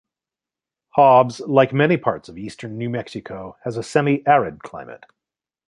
Hobbs, like many parts of Eastern New Mexico, has a semi-arid climate.